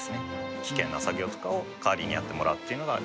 危険な作業とかを代わりにやってもらうっていうのが。